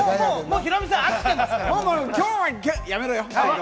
今日はやめろよ。